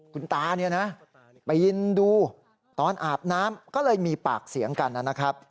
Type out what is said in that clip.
คุณตาเนี่ยนะไปยืนดูตอนอาบน้ำก็เลยมีปากเสียงกันนะครับ